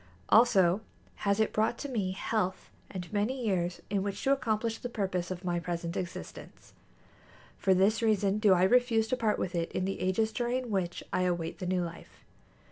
Also has it brought to me health and many years in which to accomplish the purpose of my present existence. For this reason do I refuse to part with it in the ages during which I await the new life.